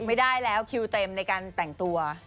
ไม่ได้แล้วคิวเต็มในการแต่งตัว